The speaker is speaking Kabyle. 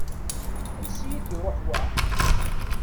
Ansi i d-iruḥ wa?